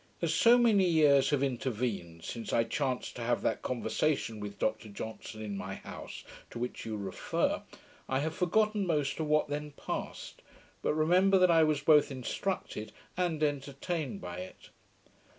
As so many years have intervened, since I chanced to have that conversation with Dr Johnson in my house, to which you refer, I have forgotten most of what then passed, but remember that I was both instructed and entertained by it.